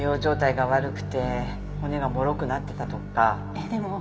えっでも。